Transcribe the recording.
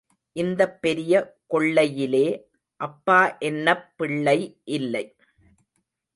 இந்தப் பெரிய கொள்ளையிலே அப்பா என்னப் பிள்ளை இல்லை.